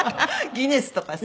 ギネスとかさ。